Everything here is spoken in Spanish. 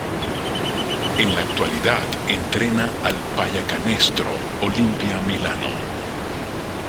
En la actualidad entrena al Pallacanestro Olimpia Milano.